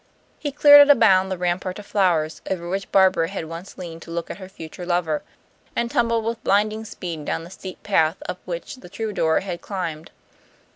He cleared at a bound the rampart of flowers, over which Barbara had once leaned to look at her future lover, and tumbled with blinding speed down the steep path up which that troubadour had climbed.